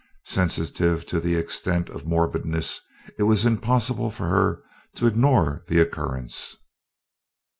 Sensitive to the extent of morbidness it was impossible for her to ignore the occurrence.